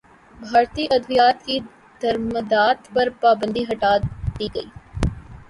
بھارتی ادویات کی درمدات پر پابندی ہٹادی گئی